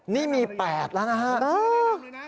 นี่มี๘แล้วนะครับ